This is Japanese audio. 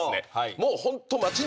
もうホント。